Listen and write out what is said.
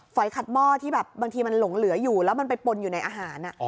ขัดหม้อที่แบบบางทีมันหลงเหลืออยู่แล้วมันไปปนอยู่ในอาหาร